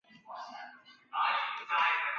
迈克尔王子由其母亲抚养长大。